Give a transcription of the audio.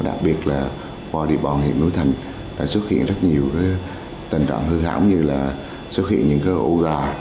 đặc biệt là qua điều bảo hiểm núi thành đã xuất hiện rất nhiều tình trạng hư hỏng như là xuất hiện những ổ gói